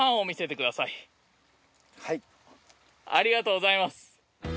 ありがとうございます。